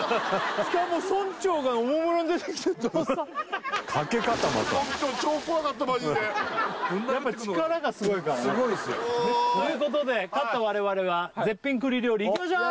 しかも村長がおもむろに出てきてドサッかけ方またやっぱ力がすごいからねすごいっすよもうということで勝った我々は絶品栗料理いきましょう！